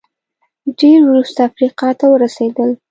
ډېر وروسته افریقا ته ورسېدل